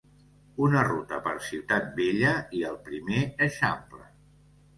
Una ruta per Ciutat vella i el primer Eixample.